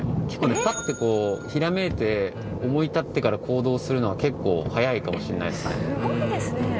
結構ねパッてこうひらめいて思い立ってから行動するのは結構早いかもしれないですね。